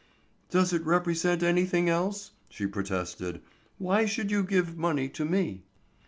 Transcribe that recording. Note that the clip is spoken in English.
"Does it represent anything else?" she protested. "Why should you give money to me?"